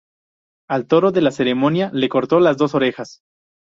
Al toro de la ceremonia le cortó las dos orejas.